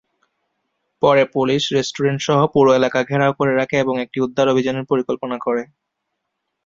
পরে police restaurant সহ পুরো এলাকা ঘেরাও করে রাখে এবং একটি উদ্ধার অভিযানের পরিকল্পনা করে।